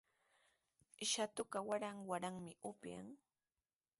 Shatuqa waran waranmi upyan.